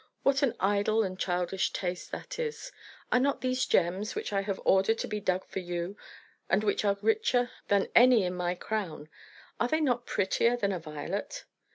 What an idle and childish taste that is! Are not these gems, which I have ordered to be dug for you, and which are richer than any in my crown are they not prettier than a violet?"